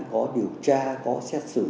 có điều tra có xét xử